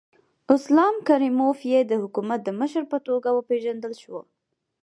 اسلام کریموف یې د حکومت د مشر په توګه وپېژندل شو.